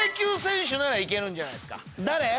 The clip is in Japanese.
誰？